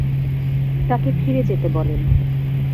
তাকে ফিরে যেতে বলেন।